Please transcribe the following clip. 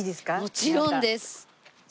もちろんです！